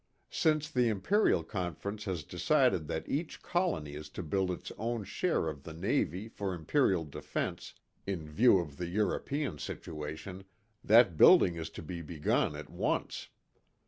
Since the Imperial Conference has decided that each colony is to build its own share of the navy for imperial defense, in view of the European situation, that building is to be begun at once.